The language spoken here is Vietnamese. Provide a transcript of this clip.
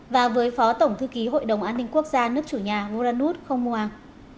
và với phó tổng thư ký hội đồng an ninh quốc gia nước chủ nhà moranut khong muang